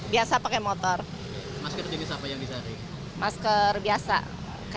biasa pakai motor masker jenis apa yang bisa kita cari masker jenis apa yang bisa kita cari masker